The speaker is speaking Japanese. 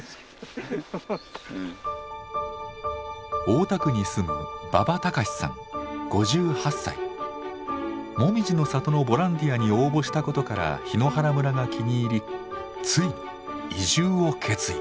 大田区に住むもみじの里のボランティアに応募したことから檜原村が気に入りついに移住を決意。